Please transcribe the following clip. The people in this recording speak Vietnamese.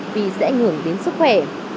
vì sẽ ảnh hưởng đến sức khỏe